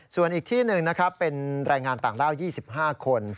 ส่วนอีกที่หนึ่งนะครับเป็นแรงงานต่างด้าว๒๕คน